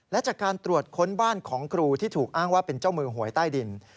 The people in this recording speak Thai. และจากการตรวจค้นบ้านของครูที่ถูกอ้างว่าเป็นเจ้ามือหวยใต้ดิน